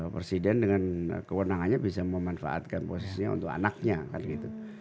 presiden dengan kewenangannya bisa memanfaatkan posisinya untuk anaknya kan gitu